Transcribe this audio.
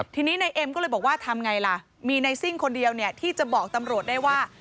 ทีนี้นายเอ็มก็เลยบอกว่าทำไงล่ะมีในซิ่งคนเดียวที่จะบอกตำรวจได้ว่า